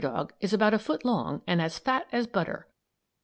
] Mr. Prairie Dog is about a foot long and as fat as butter.